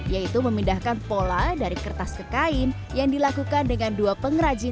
yaitu memindahkan pola dari kertas ke kain yang dilakukan dengan dua pengrajin